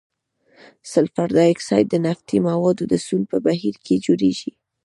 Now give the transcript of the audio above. سلفر ډای اکساید د نفتي موادو د سون په بهیر کې جوړیږي.